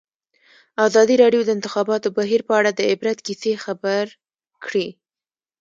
ازادي راډیو د د انتخاباتو بهیر په اړه د عبرت کیسې خبر کړي.